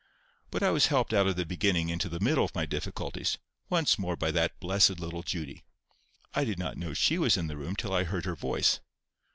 But I was helped out of the beginning into the middle of my difficulties, once more by that blessed little Judy. I did not know she was in the room till I heard her voice.